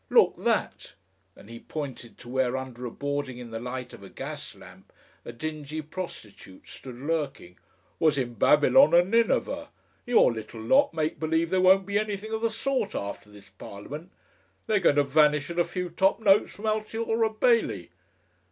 Look! THAT" and he pointed to where under a boarding in the light of a gas lamp a dingy prostitute stood lurking "was in Babylon and Nineveh. Your little lot make believe there won't be anything of the sort after this Parliament! They're going to vanish at a few top notes from Altiora Bailey!